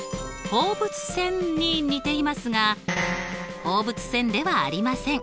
放物線に似ていますが放物線ではありません。